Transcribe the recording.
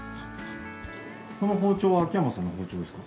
この包丁は秋山さんの包丁ですか？